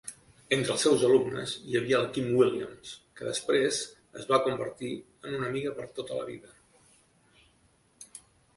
Entre els seus alumnes hi havia la Kim Williams, que després es va convertir en una amiga per a tota la vida.